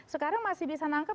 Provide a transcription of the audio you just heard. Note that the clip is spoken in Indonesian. sekarang masih bisa menangkap